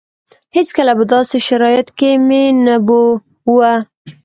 هېڅکله په داسې شرايطو کې مې نه بوه.